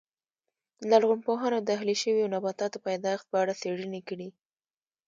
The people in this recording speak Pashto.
لرغونپوهانو د اهلي شویو نباتاتو پیدایښت په اړه څېړنې کړې